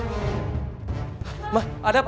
mama ada apa